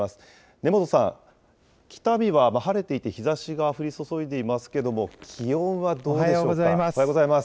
根本さん、北見は晴れていて、日ざしが降り注いでいますけども、気温はどうおはようございます。